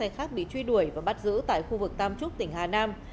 các xe khác bị truy đuổi và bắt giữ tại khu vực tam trúc tỉnh hà nam